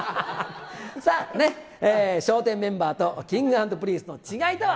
さあ、笑点メンバーとＫｉｎｇ＆Ｐｒｉｎｃｅの違いとは。